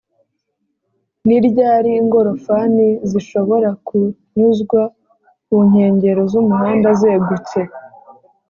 ni ryari ingorofani zishobora kunyuzwa Kunkengero z’umuhanda zegutse